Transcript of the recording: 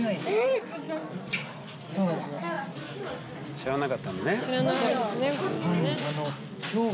知らなかったんだね。